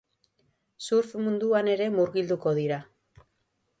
Surf munduan ere murgilduko dira.